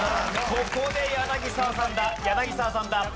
ここで柳澤さんだ柳澤さんだ。